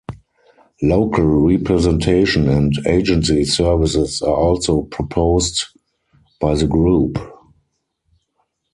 Local representation and agency services are also proposed by the group.